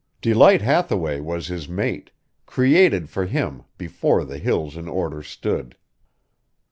Delight Hathaway was his mate, created for him before the hills in order stood.